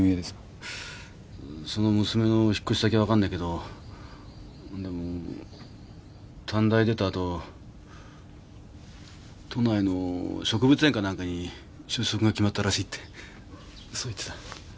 その娘の引っ越し先は分かんないけどでも短大出た後都内の植物園か何かに就職が決まったらしいってそう言ってた。